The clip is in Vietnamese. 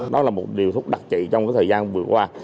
đó là một điều thuốc đặc trị trong thời gian vừa qua